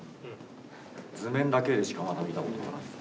図面だけでしかまだ見たことがないんで。